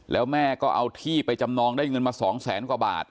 แล้วแม่ก็เอาที่ไปจำนองได้เงินมา๒แสนกว่าบาท